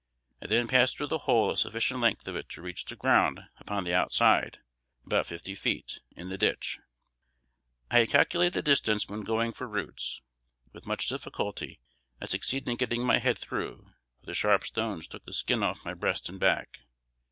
I then passed through the hole a sufficient length of it to reach the ground upon the outside (about fifty feet), in the ditch: I had calculated the distance when going for roots. With much difficulty I succeeded in getting my head through, for the sharp stones took the skin off my breast and back.